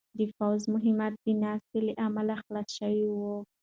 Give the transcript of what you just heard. د پوځ مهمات د نېستۍ له امله خلاص شوي وو.